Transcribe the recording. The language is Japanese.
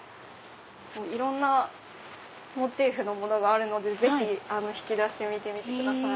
いろんなモチーフのものがあるのでぜひ引き出して見てください。